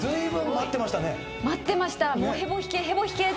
待ってました。